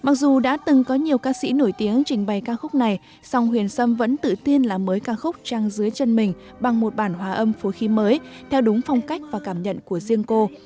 nhưng có nhiều ca sĩ nổi tiếng trình bày ca khúc này song huyền sâm vẫn tự tiên làm mới ca khúc trăng dưới chân mình bằng một bản hòa âm phố khí mới theo đúng phong cách và cảm nhận của riêng cô